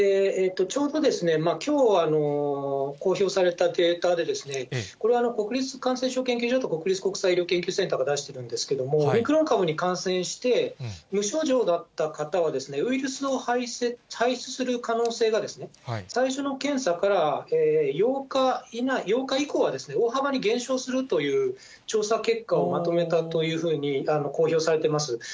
ちょうどきょう公表されたデータで、これは国立感染症研究所と国立国際医療研究センターが出しているんですけれども、オミクロン株に感染して無症状だった方は、ウイルスを排出する可能性が、最初の検査から８日以降は、大幅に減少するという調査結果をまとめたというふうに公表されてます。